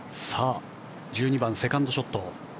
１２番、セカンドショット。